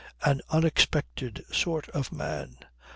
An unexpected sort of man.